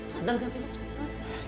sadang kan sih